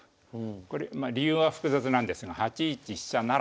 これまあ理由は複雑なんですが８一飛車不成。